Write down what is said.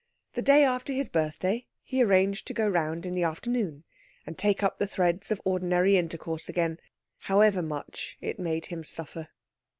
The day after his birthday he arranged to go round in the afternoon and take up the threads of ordinary intercourse again, however much it made him suffer.